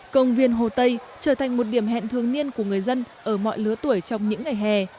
công viên hồ tây trở thành một điểm hẹn thương niên của người dân ở mọi lứa tuổi trong những ngày hè